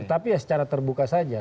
tetapi ya secara terbuka saja